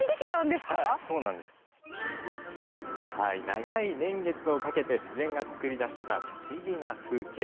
長い年月をかけて自然が作り出した不思議な風景。